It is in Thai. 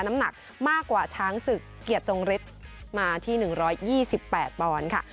น้ำหนักมากกว่าช้างศึกเกียรติทรงฤทธิ์มาที่๑๒๘ปอนด์ค่ะ